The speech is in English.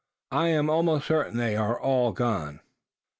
I am almost certain there are none."